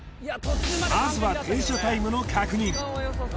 まずは停車タイムの確認